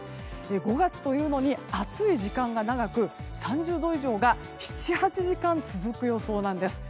５月というのに暑い時間が長く３０度以上が７８時間続く予想なんです。